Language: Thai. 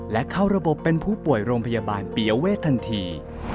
และเข้าระบบเป็นผู้ป่วยโรงพยาบาลปียเวททันที